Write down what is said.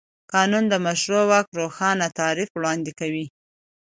قانون د مشروع واک روښانه تعریف وړاندې کوي.